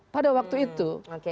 pada waktu itu